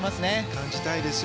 感じたいですよ